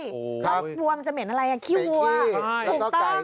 วัวมันจะเหม็นอะไรขี้วัว